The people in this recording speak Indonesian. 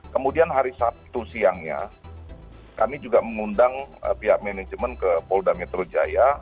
kemudian hari sabtu siangnya kami juga mengundang pihak manajemen ke polda metro jaya